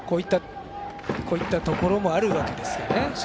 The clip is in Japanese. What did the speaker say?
こういったところもあるわけですね。